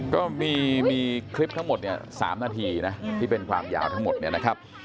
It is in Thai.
ก็มีคลิปทั้งหมดเนี่ย๓นาทีนะที่เป็นความยาวทั้งหมดเนี่ยนะครับ